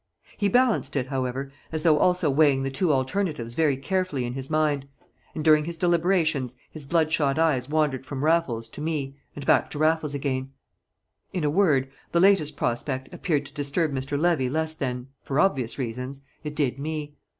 He balanced it, however, as though also weighing the two alternatives very carefully in his mind, and during his deliberations his bloodshot eyes wandered from Raffles to me and back again to Raffles. In a word, the latest prospect appeared to disturb Mr. Levy less than, for obvious reasons, it did me.